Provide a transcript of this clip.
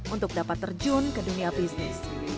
untuk dapat terjun ke dunia bisnis